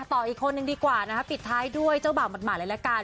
ต่ออีกคนนึงดีกว่านะคะปิดท้ายด้วยเจ้าบ่าวหมาดเลยละกัน